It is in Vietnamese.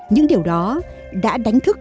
những điều đó đã đánh thức